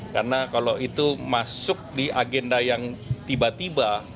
karena kalau itu masuk di agenda yang tiba tiba